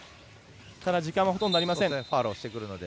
ただ時間はほとんどありません。